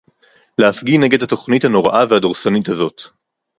להפגין נגד התוכנית הנוראה והדורסנית הזאת